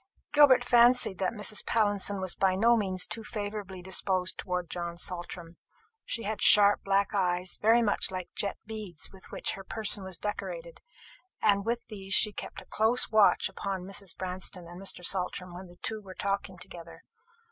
Gilbert fancied that Mrs. Pallinson was by no means too favourably disposed towards John Saltram. She had sharp black eyes, very much like the jet beads with which her person was decorated, and with these she kept a close watch upon Mrs. Branston and Mr. Saltram when the two were talking together.